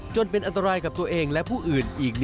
เป็นอันตรายกับตัวเองและผู้อื่นอีก